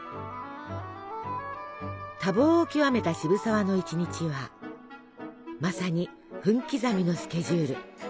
多忙を極めた渋沢の１日はまさに分刻みのスケジュール。